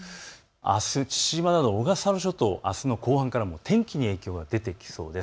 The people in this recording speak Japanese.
あす父島など小笠原諸島、天気に影響が出てきそうです。